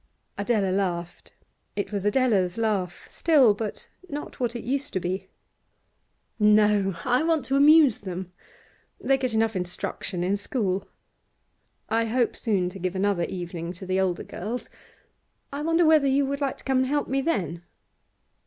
Adela laughed. It was Adela's laugh still, but not what it used to be. 'No, I want to amuse them. They get enough instruction in school. I hope soon to give another evening to the older girls. I wonder whether you would like to come and help me then?